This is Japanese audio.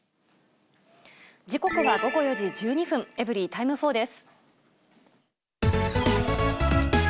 時刻は午後４時１２分、エブリィタイム４です。